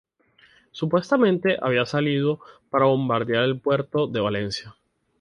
Supuestamente, había salido para bombardear el puerto de Valencia.